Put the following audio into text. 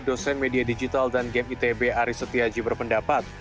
dosen media digital dan game itb aris setiaji berpendapat